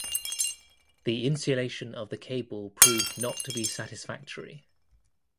The insulation of the cable proved not to be satisfactory.